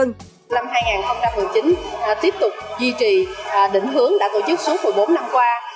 năm hai nghìn một mươi chín tiếp tục duy trì định hướng đã tổ chức suốt một mươi bốn năm qua